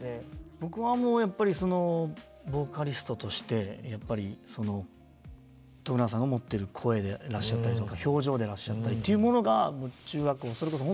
僕はやっぱりそのボーカリストとしてやっぱり永さんが持ってる声でらっしゃったりとか表情でらっしゃったりっていうものがそうですよね。